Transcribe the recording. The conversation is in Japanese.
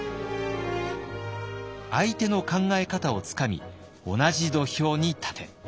「相手の考え方をつかみ同じ土俵に立て」。